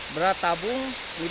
berat tabung lima belas satu